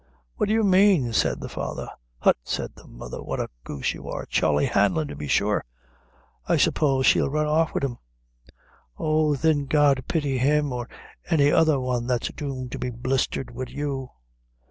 "What do you mane?" said the father. "Hut!" said the mother, "what a goose you are! Charley Hanlon, to be sure; I suppose she'll run off wid him. Oh, thin, God pity him or any other one that's doomed to be blistered wid you!"